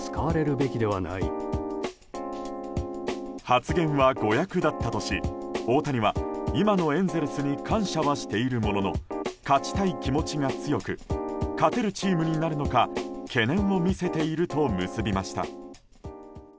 発言は誤訳だったとし大谷は今のエンゼルスに感謝はしているものの勝ちたい気持ちが強く勝てるチームになるのか懸念を見せていると結びました。